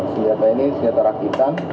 senjata ini senjata rakitan